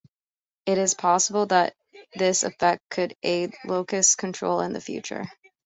It is possible that this effect could aid locust control in the future.